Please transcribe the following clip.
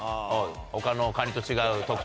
他のカニと違う特徴。